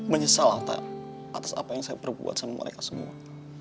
menyesal atas apa yang saya perbuat sama mereka semua